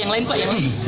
yang lain pak ya